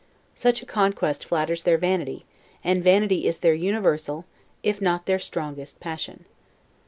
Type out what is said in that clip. Such a conquest flatters their vanity, and vanity is their universal, if not their strongest passion.